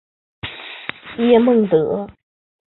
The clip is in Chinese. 叶梦得。